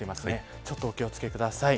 ちょっとお気を付けください。